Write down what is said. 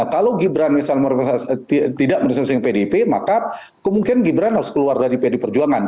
kalau gibran tidak merepensasikan pdp maka kemungkinan gibran harus keluar dari pd perjuangan